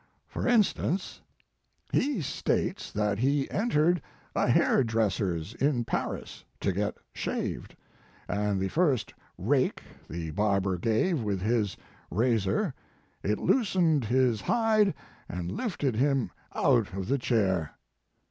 For instance "He states that he entered a hair dresser s in Paris to get shaved, and the first rake the barber gave with his razor, it loosened his hide and lifted him out of the chair.